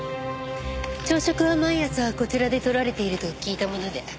朝食は毎朝こちらでとられていると聞いたもので。